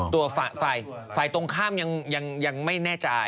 ตัวฝ่ายตรงข้ามยังไม่แน่ใจ